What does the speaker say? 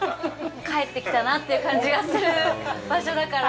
帰ってきたなという感じがする場所だから。